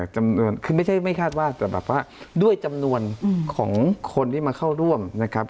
จำนวนคือไม่ใช่ไม่คาดว่าจะแบบว่าด้วยจำนวนของคนที่มาเข้าร่วมนะครับ